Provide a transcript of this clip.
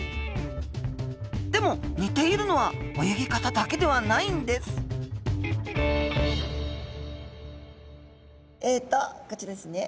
でも似ているのは泳ぎ方だけではないんですえとこちらですね。